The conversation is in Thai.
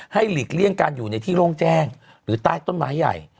หลีกเลี่ยงการอยู่ในที่โล่งแจ้งหรือใต้ต้นไม้ใหญ่